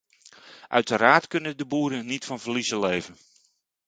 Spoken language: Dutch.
Uiteraard kunnen de boeren niet van verliezen leven.